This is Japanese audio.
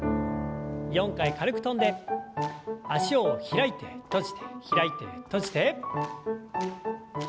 ４回軽く跳んで脚を開いて閉じて開いて閉じて。